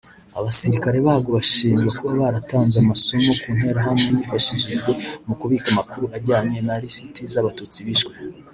Abasirikare babwo bashinjwa kuba baratanze amasomo ku nterahamwe yifashishijwe mu kubika amakuru ajyanye na lisiti z’Abatutsi bishwe